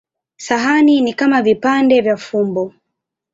Sahani ni kama vipande vya fumbo.